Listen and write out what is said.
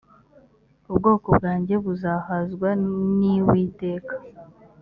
ubwoko bwanjye buzahazwa n’iwiteka